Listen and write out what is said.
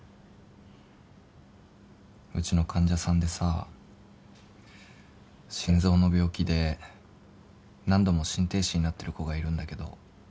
うちの患者さんでさ心臓の病気で何度も心停止になってる子がいるんだけど。